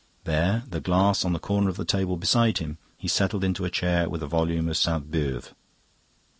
There, the glass on the corner of the table beside him, he settled into a chair with a volume of Sainte Beuve.